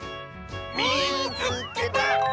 「みいつけた！」。